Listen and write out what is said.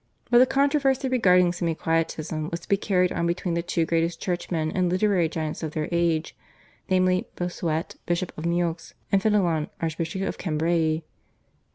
But the controversy regarding Semi Quietism was to be carried on between the two greatest churchmen and literary giants of their age, namely, Bossuet, Bishop of Meaux, and Fenelon, Archbishop of Cambrai.